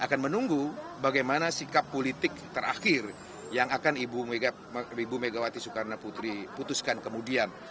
akan menunggu bagaimana sikap politik terakhir yang akan ibu megawati soekarno putri putuskan kemudian